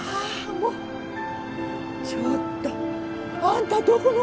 もうちょっとあんたどこの子？